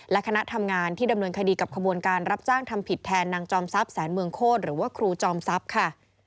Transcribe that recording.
และคณะทำงานที่ดำเนินคดีกับขบวนการรับจ้างทำผิดแทนนางจอมทรัพย์แสนเมืองโคตรหรือว่าครูจอมทรัพย์ค่ะ